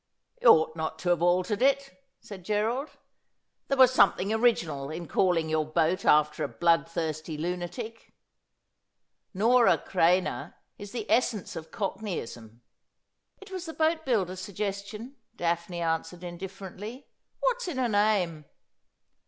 ' You ought not to have altered it,' said Gerald. ' There was something original in calling your boat after a blood thirsty lunatic. " Nora Creina" is the essence of Cockneyism.' ' It was the boat builder's suggestion,' Daphne answered indifferently. ' What's in a name